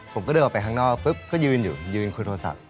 ผมก็เดินออกไปข้างนอกปุ๊บก็ยืนอยู่ยืนคุยโทรศัพท์